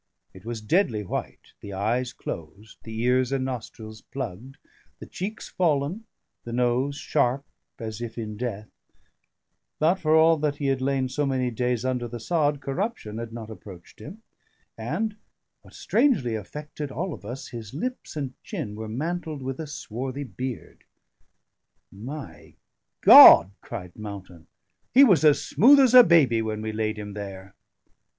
It was deadly white, the eyes closed, the ears and nostrils plugged, the cheeks fallen, the nose sharp as if in death; but for all he had lain so many days under the sod, corruption had not approached him, and (what strangely affected all of us) his lips and chin were mantled with a swarthy beard. "My God!" cried Mountain, "he was as smooth as a baby when we laid him there!"